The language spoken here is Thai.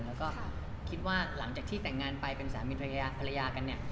แล้วก็คิดว่าหลังจากที่แต่งงานไปเป็นสามีภรรยากันเนี่ย